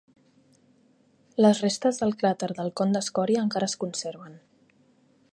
Les restes del cràter del con d'escòria encara es conserven.